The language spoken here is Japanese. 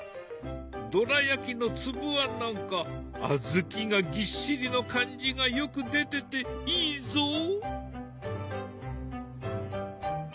どら焼きの粒あんなんか小豆がぎっしりの感じがよく出てていいぞ。